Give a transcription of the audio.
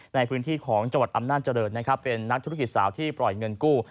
ในพื้นที่ของจังหวัดอำนาจเจริญนะครับเป็นนักธุรกิจสาวที่ปล่อยเงินกู้